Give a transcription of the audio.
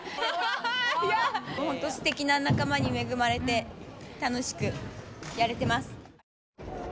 すてきな仲間に恵まれて楽しくやれてます。